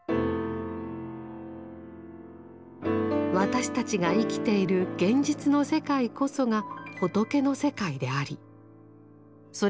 私たちが生きている現実の世界こそが「仏の世界」でありそれ